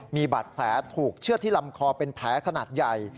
มีบาดแผลถูกเชื่อดที่ลำคอเป็นแผลขนาดใหญ่